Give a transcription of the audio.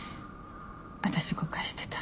私誤解してた。